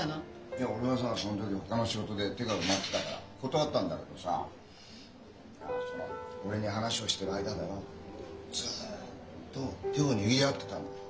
いや俺はさその時ほかの仕事で手が埋まってたから断ったんだけどさいやその俺に話をしてる間だよずっと手を握り合ってたんだよ。